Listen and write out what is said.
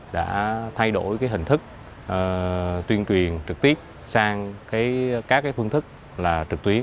đã thay đổi hình thức tuyên truyền trực tiếp sang các phương thức trực tuyến